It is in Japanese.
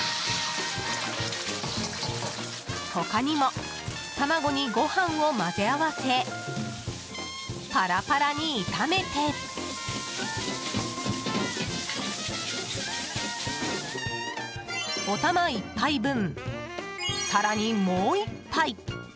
他にも、卵にご飯を混ぜ合わせパラパラに炒めておたま１杯分、更にもう１杯。